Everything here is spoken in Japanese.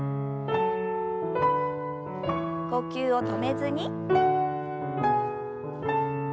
呼吸を止めずに。